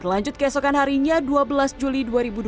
lanjut keesokan harinya dua belas juli dua ribu dua puluh